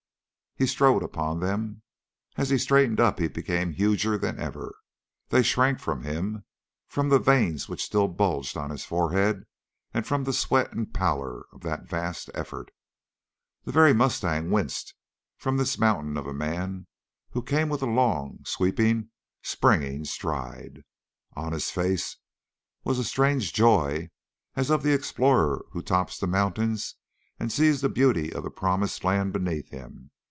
He strode upon them. As he straightened up he became huger than ever. They shrank from him from the veins which still bulged on his forehead and from the sweat and pallor of that vast effort. The very mustang winced from this mountain of a man who came with a long, sweeping, springing stride. On his face was a strange joy as of the explorer who tops the mountains and sees the beauty of the promised land beneath him.